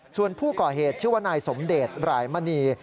ส่วนผู้ก่อเหตุชื่อว่านายสมเดชหลายมณี